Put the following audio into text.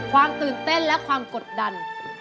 ความตื่นเต้นและความกดดัน